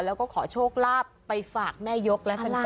แล้วก็ขอโชคลาภไปฝากแม่ยกลักษณะ